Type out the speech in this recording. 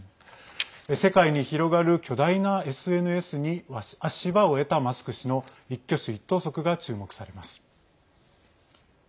世界に広がる巨大なＳＮＳに足場を得たマスク氏の一挙手一投足が注目されます。